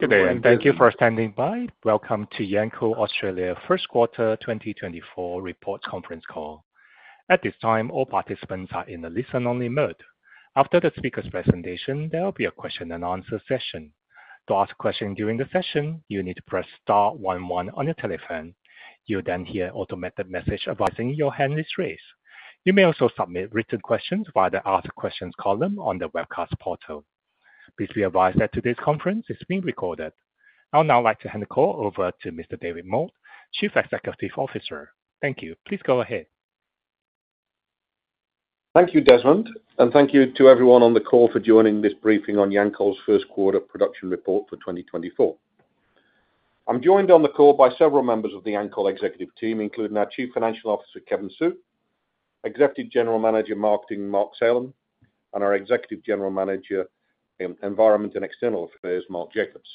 Good day and thank you for standing by. Welcome to Yancoal Australia First Quarter 2024 Report Conference Call. At this time, all participants are in the listen-only mode. After the speaker's presentation, there will be a question-and-answer session. To ask questions during the session, you need to press star one one on your telephone. You'll then hear an automated message about raising your hand is raised. You may also submit written questions via the Ask Questions column on the webcast portal. Please be advised that today's conference is being recorded. I would now like to hand the call over to Mr. David Moult, Chief Executive Officer. Thank you. Please go ahead. Thank you, Desmond, and thank you to everyone on the call for joining this briefing on Yancoal's First Quarter Production Report for 2024. I'm joined on the call by several members of the Yancoal executive team, including our Chief Financial Officer Kevin Su, Executive General Manager Marketing Mark Salem, and our Executive General Manager Environment and External Affairs Mark Jacobs.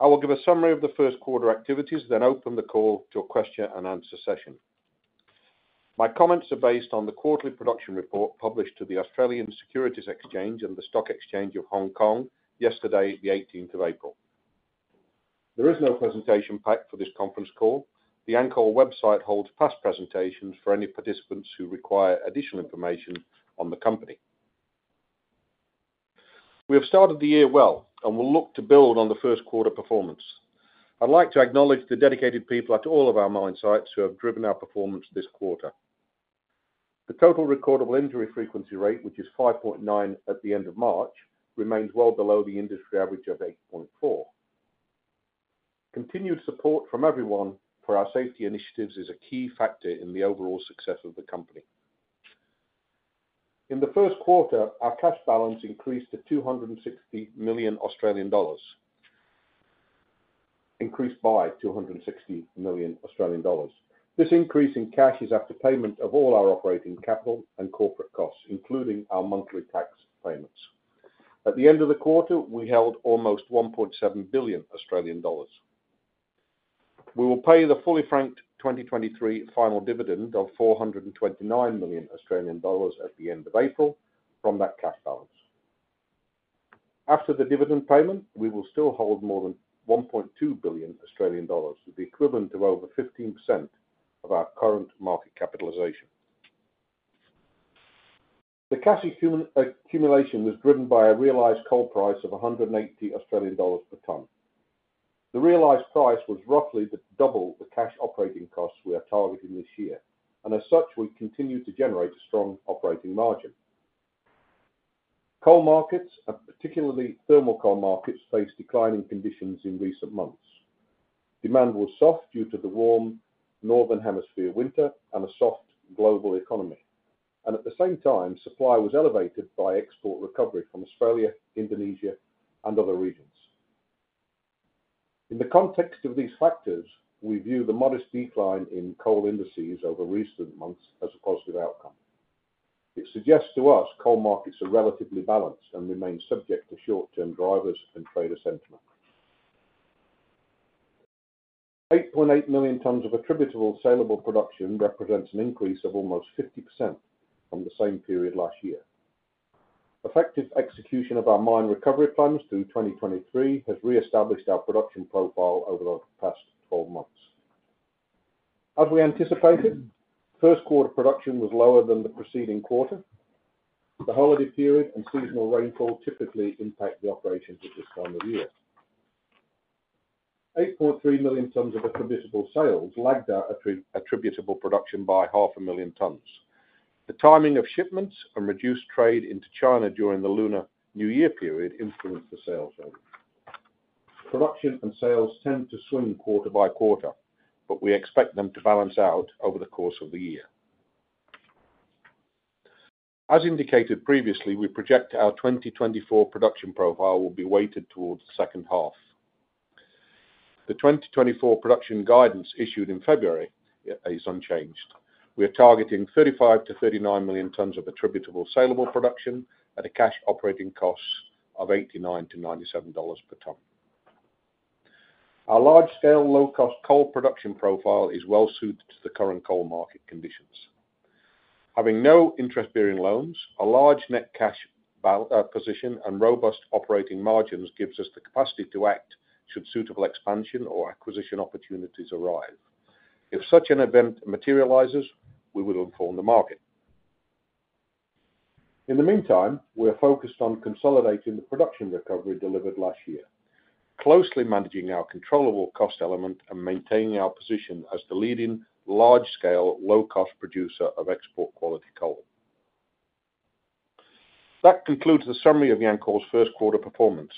I will give a summary of the first quarter activities, then open the call to a question-and-answer session. My comments are based on the quarterly production report published to the Australian Securities Exchange and the Stock Exchange of Hong Kong yesterday, the 18th of April. There is no presentation pack for this conference call. The Yancoal website holds past presentations for any participants who require additional information on the company. We have started the year well and will look to build on the first quarter performance. I'd like to acknowledge the dedicated people at all of our mine sites who have driven our performance this quarter. The total recordable injury frequency rate, which is 5.9 at the end of March, remains well below the industry average of 8.4. Continued support from everyone for our safety initiatives is a key factor in the overall success of the company. In the first quarter, our cash balance increased to 260 million Australian dollars, increased by 260 million Australian dollars. This increase in cash is after payment of all our operating capital and corporate costs, including our monthly tax payments. At the end of the quarter, we held almost 1.7 billion Australian dollars. We will pay the fully franked 2023 final dividend of 429 million Australian dollars at the end of April from that cash balance. After the dividend payment, we will still hold more than 1.2 billion Australian dollars, which would be equivalent to over 15% of our current market capitalization. The cash accumulation was driven by a realized coal price of 180 Australian dollars per ton. The realized price was roughly the double the cash operating costs we are targeting this year, and as such, we continue to generate a strong operating margin. Coal markets, particularly thermal coal markets, faced declining conditions in recent months. Demand was soft due to the warm Northern Hemisphere winter and a soft global economy, and at the same time, supply was elevated by export recovery from Australia, Indonesia, and other regions. In the context of these factors, we view the modest decline in coal indices over recent months as a positive outcome. It suggests to us coal markets are relatively balanced and remain subject to short-term drivers and trader sentiment. Eight point eight million tons of attributable saleable production represents an increase of almost 50% from the same period last year. Effective execution of our mine recovery plans through 2023 has reestablished our production profile over the past 12 months. As we anticipated, first quarter production was lower than the preceding quarter. The holiday period and seasonal rainfall typically impact the operations at this time of year. 8.3 million tons of attributable sales lagged out attributable production by 500,000 tons. The timing of shipments and reduced trade into China during the Lunar New Year period influenced the sales volume. Production and sales tend to swing quarter-by-quarter, but we expect them to balance out over the course of the year. As indicated previously, we project our 2024 production profile will be weighted towards the second half. The 2024 production guidance issued in February is unchanged. We are targeting 35 million tons-39 million tons of attributable saleable production at a cash operating cost of 89-97 dollars per ton. Our large-scale, low-cost coal production profile is well suited to the current coal market conditions. Having no interest-bearing loans, a large net cash position and robust operating margins gives us the capacity to act should suitable expansion or acquisition opportunities arrive. If such an event materializes, we will inform the market. In the meantime, we are focused on consolidating the production recovery delivered last year, closely managing our controllable cost element, and maintaining our position as the leading large-scale, low-cost producer of export-quality coal. That concludes the summary of Yancoal's first quarter performance.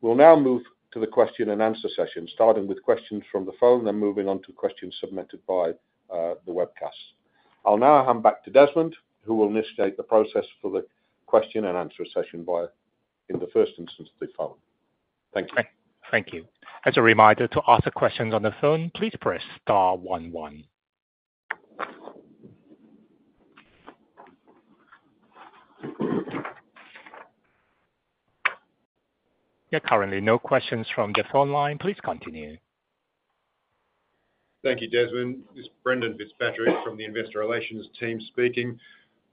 We'll now move to the question-and-answer session, starting with questions from the phone, then moving on to questions submitted by the webcast. I'll now hand back to Desmond, who will initiate the process for the question-and-answer session in the first instance, the phone. Thank you. Thank you. As a reminder, to ask questions on the phone, please press star one one. Yeah, currently no questions from the phone line. Please continue. Thank you, Desmond. This is Brendan Fitzpatrick from the Investor Relations team speaking.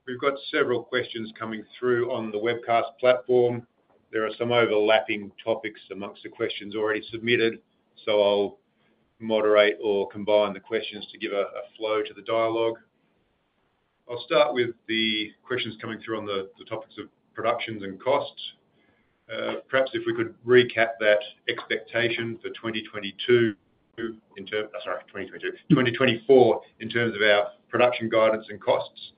We've got several questions coming through on the webcast platform. There are some overlapping topics among the questions already submitted, so I'll moderate or combine the questions to give a flow to the dialogue. I'll start with the questions coming through on the topics of productions and costs. Perhaps if we could recap that expectation for 2022 in terms, oh, sorry, 2022. Twenty twenty-four in terms of our production guidance and costs.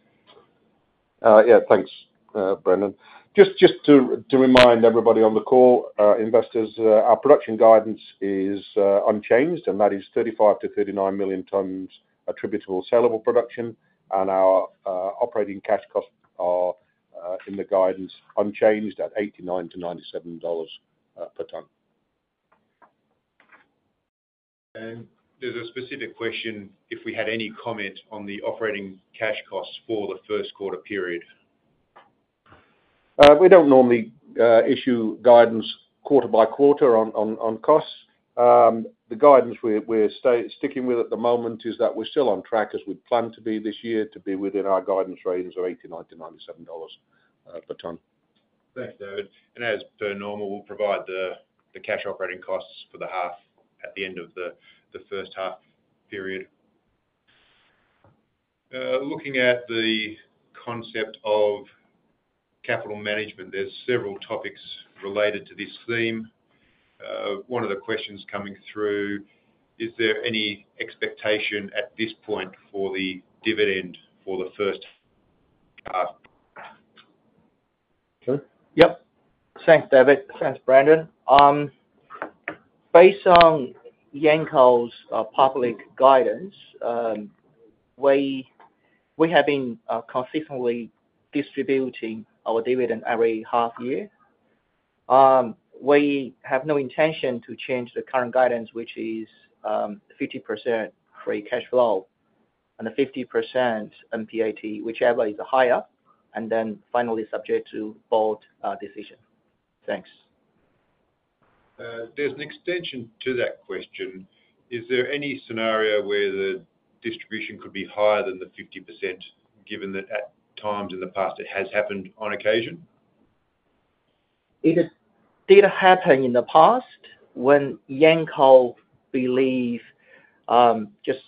Yeah, thanks, Brendan. Just to remind everybody on the call, investors, our production guidance is unchanged, and that is 35 million tons-39 million tons attributable saleable production, and our operating cash costs are in the guidance unchanged at 89-97 dollars per ton. There's a specific question: if we had any comment on the operating cash costs for the first quarter period. We don't normally issue guidance quarter-by-quarter on costs. The guidance we're sticking with at the moment is that we're still on track as we'd planned to be this year, to be within our guidance range of 89-97 dollars per ton. Thanks, David. And as per normal, we'll provide the cash operating costs for the half at the end of the first half period. Looking at the concept of capital management, there's several topics related to this theme. One of the questions coming through: is there any expectation at this point for the dividend for the first half? Yep. Thanks, David. Thanks, Brendan. Based on Yancoal's public guidance, we have been consistently distributing our dividend every half year. We have no intention to change the current guidance, which is 50% free cash flow and 50% NPAT, whichever is higher, and then finally subject to board decision. Thanks. There's an extension to that question. Is there any scenario where the distribution could be higher than the 50%, given that at times in the past it has happened on occasion? Did it happen in the past when Yancoal believed just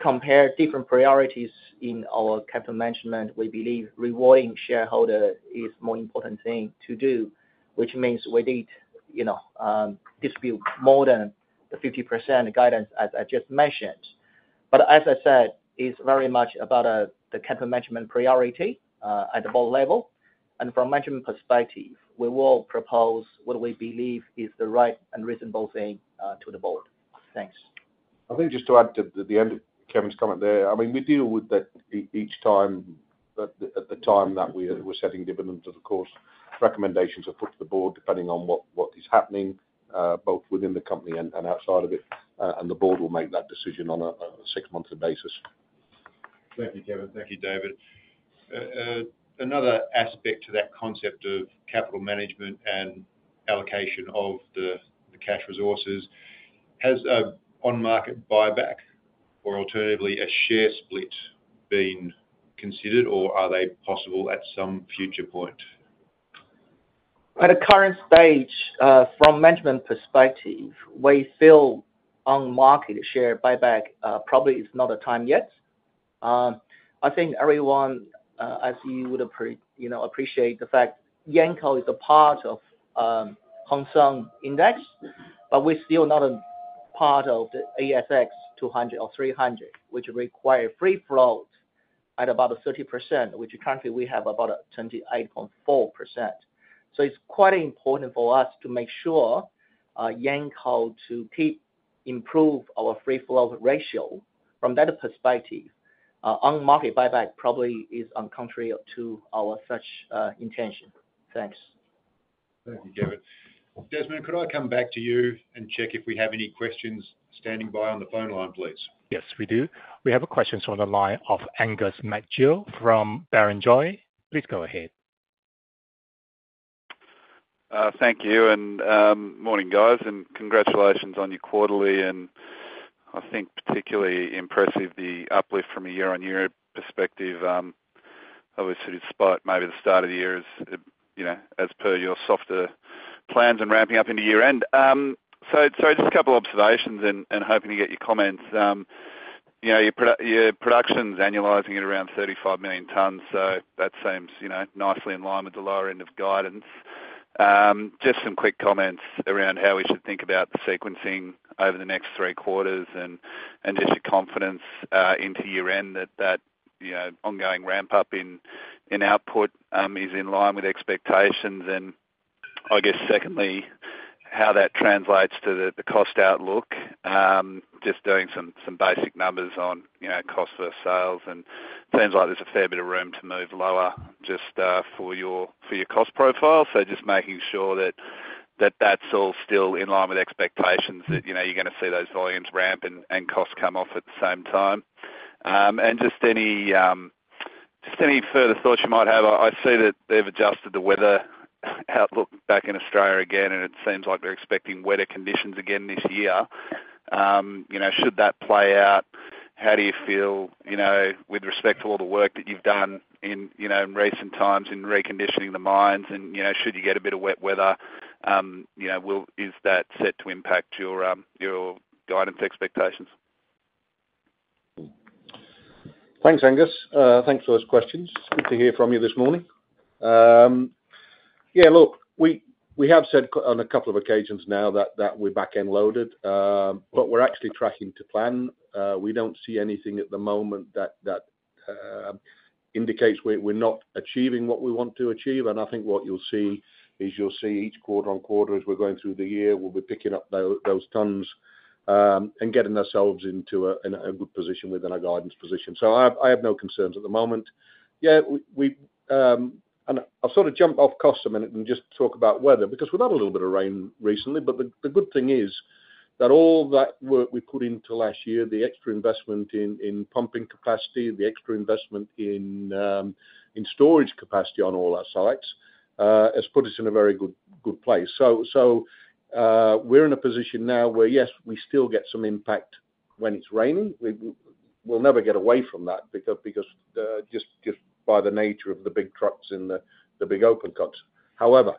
compare different priorities in our capital management? We believe rewarding shareholders is the more important thing to do, which means we did distribute more than the 50% guidance, as I just mentioned. But as I said, it's very much about the capital management priority at the board level. And from a management perspective, we will propose what we believe is the right and reasonable thing to the board. Thanks. I think just to add to the end of Kevin's comment there, I mean, we deal with that each time at the time that we're setting dividends or, of course, recommendations are put to the board depending on what is happening, both within the company and outside of it, and the board will make that decision on a six-monthly basis. Thank you, Kevin. Thank you, David. Another aspect to that concept of capital management and allocation of the cash resources: has an on-market buyback, or alternatively a share split, been considered, or are they possible at some future point? At the current stage, from a management perspective, we feel on-market share buyback probably is not the time yet. I think everyone, as you would appreciate, the fact Yancoal is a part of Hang Seng Index, but we're still not a part of the ASX 200 or 300, which require free float at about 30%, which currently we have about 28.4%. So it's quite important for us to make sure Yancoal to keep improve our free float ratio. From that perspective, on-market buyback probably is contrary to our such intention. Thanks. Thank you, Kevin. Desmond, could I come back to you and check if we have any questions standing by on the phone line, please? Yes, we do. We have a question on the line of Angus McGeoch from Barrenjoey. Please go ahead. Thank you. Morning, guys. Congratulations on your quarterly. I think particularly impressive the uplift from a year-over-year perspective, obviously, despite maybe the start of the year as per your softer plans and ramping up into year-end. Just a couple of observations and hoping to get your comments. Your production's annualizing at around 35 million tons, so that seems nicely in line with the lower end of guidance. Just some quick comments around how we should think about the sequencing over the next three quarters and just your confidence into year-end that that ongoing ramp-up in output is in line with expectations. I guess, secondly, how that translates to the cost outlook. Just doing some basic numbers on cost versus sales. It seems like there's a fair bit of room to move lower just for your cost profile. So just making sure that that's all still in line with expectations, that you're going to see those volumes ramp and costs come off at the same time. And just any further thoughts you might have. I see that they've adjusted the weather outlook back in Australia again, and it seems like they're expecting wetter conditions again this year. Should that play out? How do you feel with respect to all the work that you've done in recent times in reconditioning the mines? And should you get a bit of wet weather, is that set to impact your guidance expectations? Thanks, Angus. Thanks for those questions. Good to hear from you this morning. Yeah, look, we have said on a couple of occasions now that we're back end-loaded, but we're actually tracking to plan. We don't see anything at the moment that indicates we're not achieving what we want to achieve. And I think what you'll see is you'll see each quarter-on-quarter as we're going through the year, we'll be picking up those tons and getting ourselves into a good position within our guidance position. So I have no concerns at the moment. Yeah, and I'll sort of jump off costs a minute and just talk about weather because we've had a little bit of rain recently. But the good thing is that all that work we put into last year, the extra investment in pumping capacity, the extra investment in storage capacity on all our sites, has put us in a very good place. So we're in a position now where, yes, we still get some impact when it's raining. We'll never get away from that because just by the nature of the big trucks and the big open cuts. However,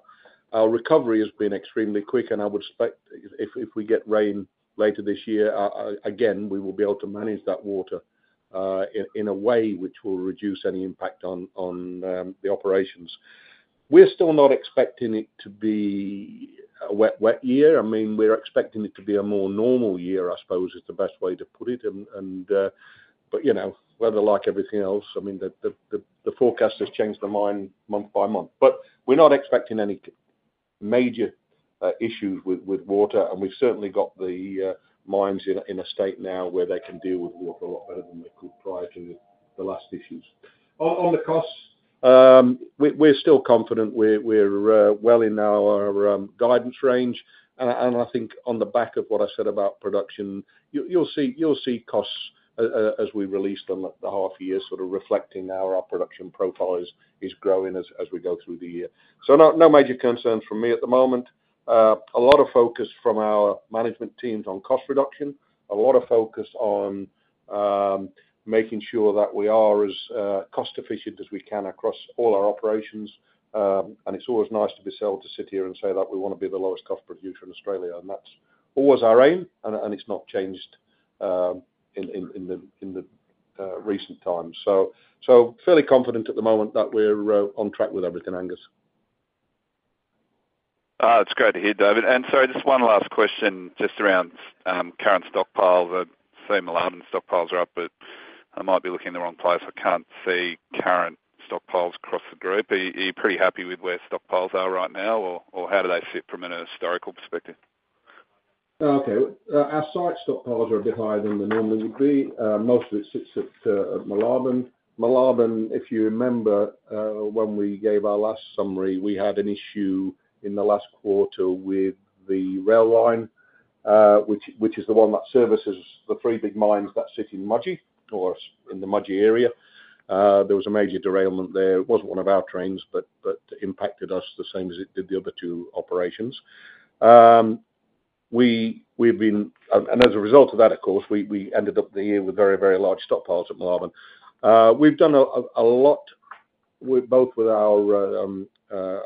our recovery has been extremely quick, and I would expect if we get rain later this year, again, we will be able to manage that water in a way which will reduce any impact on the operations. We're still not expecting it to be a wet, wet year. I mean, we're expecting it to be a more normal year, I suppose, is the best way to put it. But weather, like everything else, I mean, the forecast has changed their mind month-by-month. But we're not expecting any major issues with water. And we've certainly got the mines in a state now where they can deal with water a lot better than they could prior to the last issues. On the costs, we're still confident. We're well in our guidance range. And I think on the back of what I said about production, you'll see costs as we release them at the half year sort of reflecting how our production profile is growing as we go through the year. So no major concerns from me at the moment. A lot of focus from our management teams on cost reduction. A lot of focus on making sure that we are as cost-efficient as we can across all our operations. And it's always nice to be able to sit here and say that we want to be the lowest cost producer in Australia. And that's always our aim, and it's not changed in the recent times. So fairly confident at the moment that we're on track with everything, Angus. It's great to hear, David. Sorry, just one last question just around current stockpiles. I see Moolarben's stockpiles are up, but I might be looking the wrong place. I can't see current stockpiles across the group. Are you pretty happy with where stockpiles are right now, or how do they sit from a historical perspective? Okay. Our site stockpiles are a bit higher than they normally would be. Most of it sits at Moolarben. Moolarben, if you remember when we gave our last summary, we had an issue in the last quarter with the rail line, which is the one that services the three big mines that sit in Mudgee or in the Mudgee area. There was a major derailment there. It wasn't one of our trains, but it impacted us the same as it did the other two operations. And as a result of that, of course, we ended up the year with very, very large stockpiles at Moolarben. We've done a lot both with our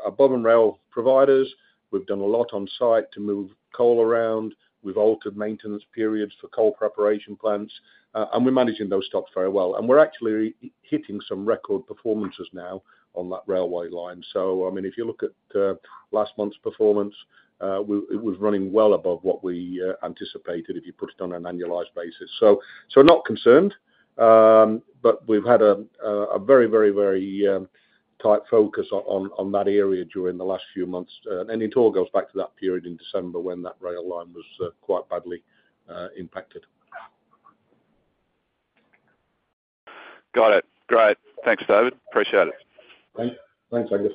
above-and-below rail providers. We've done a lot on site to move coal around. We've altered maintenance periods for coal preparation plants. And we're managing those stocks very well. And we're actually hitting some record performances now on that railway line. So I mean, if you look at last month's performance, it was running well above what we anticipated if you put it on an annualized basis. So not concerned. But we've had a very, very, very tight focus on that area during the last few months. And in all, it goes back to that period in December when that rail line was quite badly impacted. Got it. Great. Thanks, David. Appreciate it. Thanks, Angus.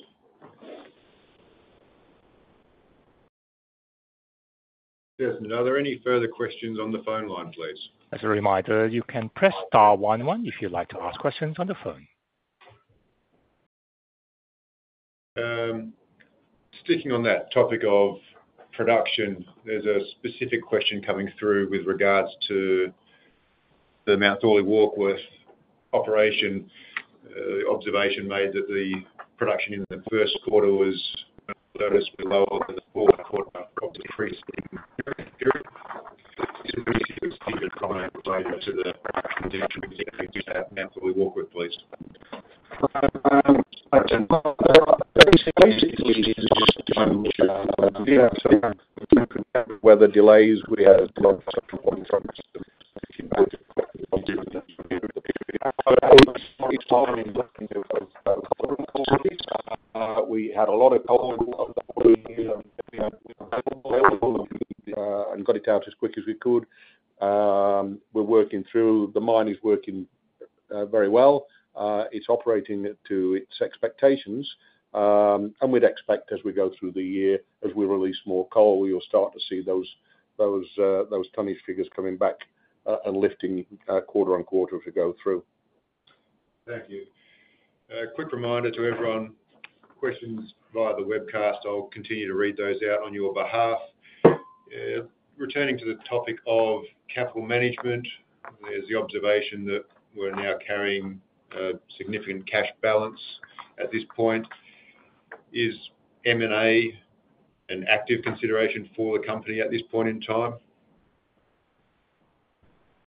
Desmond, are there any further questions on the phone line, please? As a reminder, you can press star one one if you'd like to ask questions on the phone. Sticking on that topic of production, there's a specific question coming through with regards to the Mount Thorley Warkworth operation. The observation made that the production in the first quarter was noticeably lower than the fourth quarter of the preceding period. Is it easy to exclude a chronic delay to the production? Is it easy to exclude that Mount Thorley Warkworth, please? Basically, it's just a time of year. We've been hampered with weather delays. We had a lot of structural problems from the system. We didn't do it that quickly. At each time in the looking at it was a lot of coal. We had a lot of coal and got it out as quick as we could. We're working through. The mine is working very well. It's operating to its expectations. And we'd expect as we go through the year, as we release more coal, we will start to see those tonnage figures coming back and lifting quarter-on-quarter as we go through. Thank you. Quick reminder to everyone, questions via the webcast, I'll continue to read those out on your behalf. Returning to the topic of capital management, there's the observation that we're now carrying a significant cash balance at this point. Is M&A an active consideration for the company at this point in time?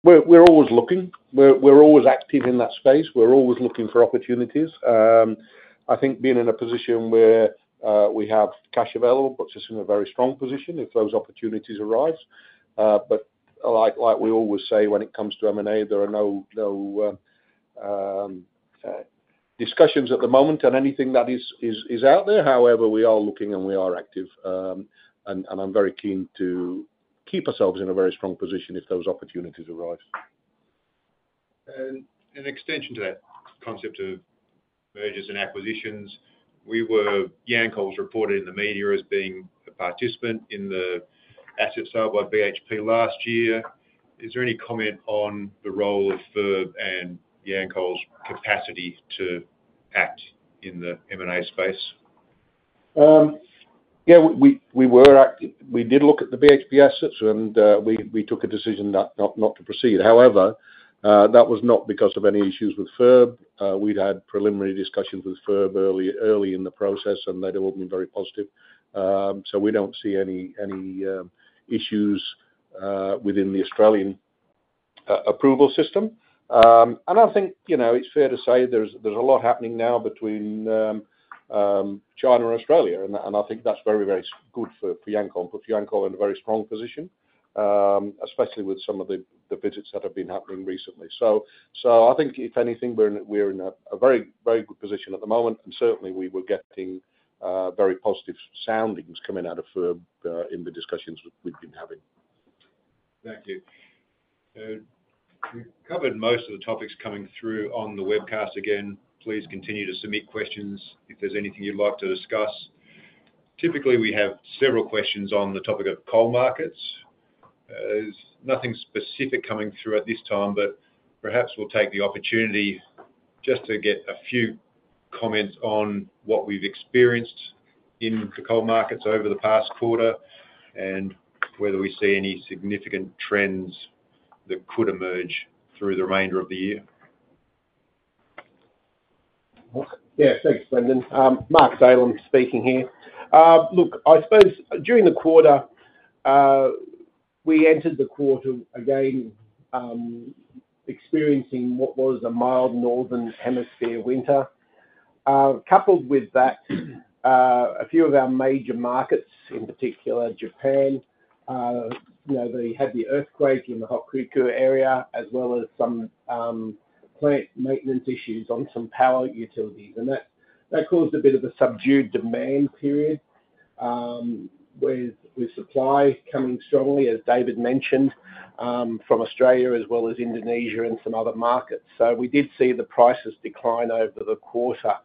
We're always looking. We're always active in that space. We're always looking for opportunities. I think being in a position where we have cash available puts us in a very strong position if those opportunities arise. But like we always say, when it comes to M&A, there are no discussions at the moment on anything that is out there. However, we are looking and we are active. And I'm very keen to keep ourselves in a very strong position if those opportunities arise. An extension to that concept of mergers and acquisitions, Yancoal's reported in the media as being a participant in the assets sold by BHP last year. Is there any comment on the role of FIRB and Yancoal's capacity to act in the M&A space? Yeah, we were active. We did look at the BHP assets, and we took a decision not to proceed. However, that was not because of any issues with FIRB. We'd had preliminary discussions with FIRB early in the process, and they'd all been very positive. So we don't see any issues within the Australian approval system. And I think it's fair to say there's a lot happening now between China and Australia, and I think that's very, very good for Yancoal. It puts Yancoal in a very strong position, especially with some of the visits that have been happening recently. So I think if anything, we're in a very, very good position at the moment. And certainly, we were getting very positive soundings coming out of FIRB in the discussions we've been having. Thank you. We've covered most of the topics coming through on the webcast again. Please continue to submit questions if there's anything you'd like to discuss. Typically, we have several questions on the topic of coal markets. There's nothing specific coming through at this time, but perhaps we'll take the opportunity just to get a few comments on what we've experienced in the coal markets over the past quarter and whether we see any significant trends that could emerge through the remainder of the year. Yeah, thanks, Brendan. Mark Salem speaking here. Look, I suppose during the quarter, we entered the quarter again experiencing what was a mild northern hemisphere winter. Coupled with that, a few of our major markets, in particular, Japan, they had the earthquake in the Hokuriku area as well as some plant maintenance issues on some power utilities. And that caused a bit of a subdued demand period with supply coming strongly, as David mentioned, from Australia as well as Indonesia and some other markets. So we did see the prices decline over the quarter.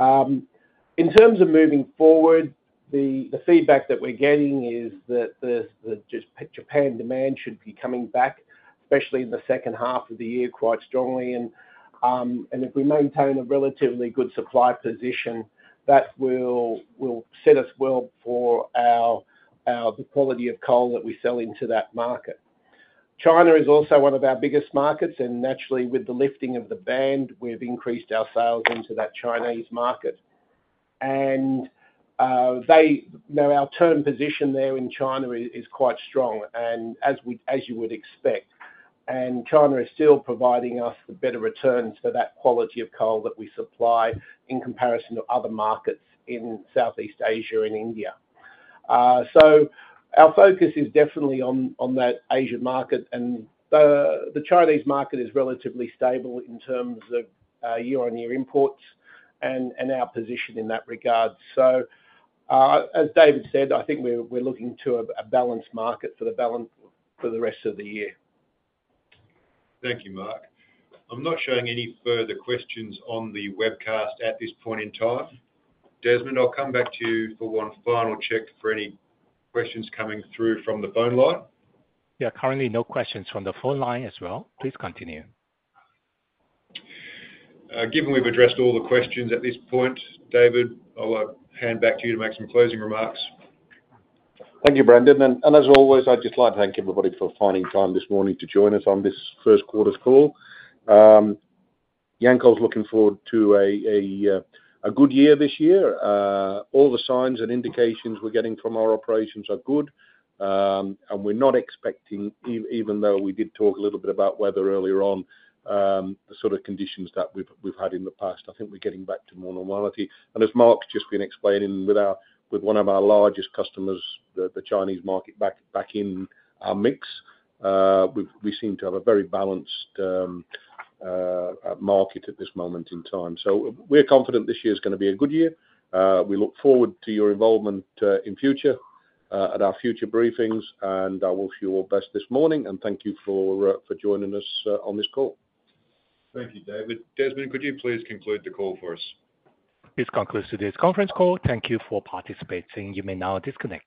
In terms of moving forward, the feedback that we're getting is that Japan demand should be coming back, especially in the second half of the year, quite strongly. And if we maintain a relatively good supply position, that will set us well for the quality of coal that we sell into that market. China is also one of our biggest markets. Naturally, with the lifting of the ban, we've increased our sales into that Chinese market. Our term position there in China is quite strong, as you would expect. China is still providing us the better returns for that quality of coal that we supply in comparison to other markets in Southeast Asia and India. Our focus is definitely on that Asian market. The Chinese market is relatively stable in terms of year-on-year imports and our position in that regard. As David said, I think we're looking to a balanced market for the rest of the year. Thank you, Mark. I'm not showing any further questions on the webcast at this point in time. Desmond, I'll come back to you for one final check for any questions coming through from the phone line. Yeah, currently, no questions from the phone line as well. Please continue. Given we've addressed all the questions at this point, David, I'll hand back to you to make some closing remarks. Thank you, Brendan. As always, I'd just like to thank everybody for finding time this morning to join us on this first quarter's call. Yancoal's looking forward to a good year this year. All the signs and indications we're getting from our operations are good. We're not expecting, even though we did talk a little bit about weather earlier on, the sort of conditions that we've had in the past. I think we're getting back to more normality. As Mark's just been explaining with one of our largest customers, the Chinese market back in our mix, we seem to have a very balanced market at this moment in time. We're confident this year is going to be a good year. We look forward to your involvement in future at our future briefings. I wish you all the best this morning. Thank you for joining us on this call. Thank you, David. Desmond, could you please conclude the call for us? This concludes this conference call. Thank you for participating. You may now disconnect.